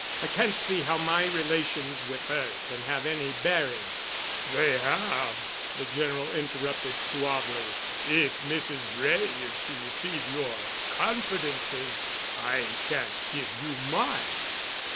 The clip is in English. I can't see how my relations with her can have any bearing——" "They have," the General interrupted suavely. "If Mrs. Wray is to receive your confidences I can't give you mine."